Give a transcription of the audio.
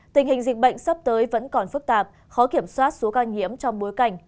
tình hình dịch bệnh sắp tới vẫn còn phức tạp khó kiểm soát số ca nhiễm trong bối cảnh